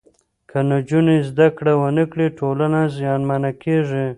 که نجونې زدهکړه ونکړي، ټولنه زیانمنه کېږي.